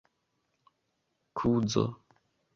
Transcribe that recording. kuzo